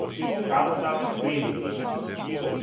Само да вас видим.